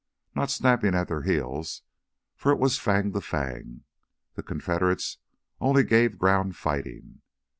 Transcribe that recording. Not snapping at their heels, for it was fang to fang; the Confederates only gave ground fighting.